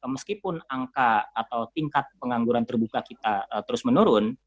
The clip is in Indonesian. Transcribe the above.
meskipun angka atau tingkat pengangguran terbuka kita terus menurun